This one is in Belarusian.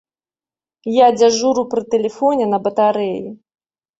Я дзяжуру пры тэлефоне на батарэі.